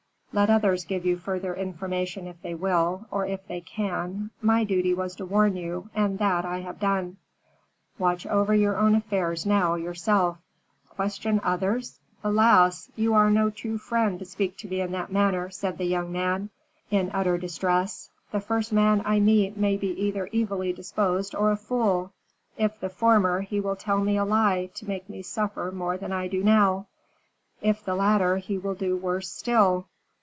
Let others give you further information if they will, or if they can; my duty was to warn you, and that I have done. Watch over your own affairs now, yourself." "Question others! Alas! you are no true friend to speak to me in that manner," said the young man, in utter distress. "The first man I meet may be either evilly disposed or a fool, if the former, he will tell me a lie to make me suffer more than I do now; if the latter, he will do worse still.